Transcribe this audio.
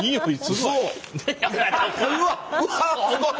うわすごい！